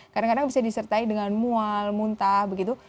kadang kadang bisa disertai dengan mual muntah begitu